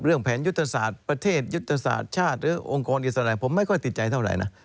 แผนยุทธศาสตร์ประเทศยุทธศาสตร์ชาติหรือองค์กรอิสระผมไม่ค่อยติดใจเท่าไหร่นะ